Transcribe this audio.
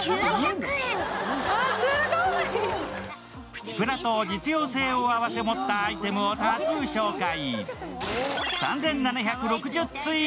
プチプラと実用性を併せ持ったアイテムを多数紹介。